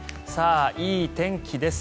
いい天気です。